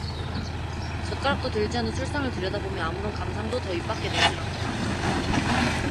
젓가락도 들지 않은 술상을 들여다보며 아무런 감상도 더 입 밖에 내지를 않았다.